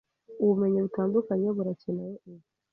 Ubumenyi butandukanye buracyenewe ubu